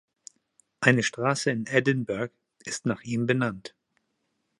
Eine Straße in Edinburgh ist nach ihm benannt.